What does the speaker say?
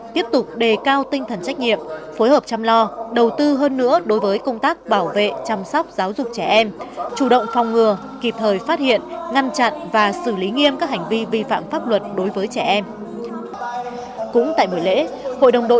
tiếp tục phát biểu những truyền thống phản chất có đẹp đó